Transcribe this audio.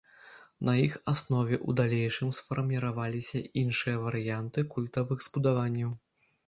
На іх аснове ў далейшым сфарміраваліся іншыя варыянты культавых збудаванняў.